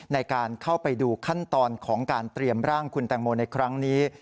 ในการเข้าไปดูขั้นตอนของการเตรียมร่างคุณแตงโมในครั้งนี้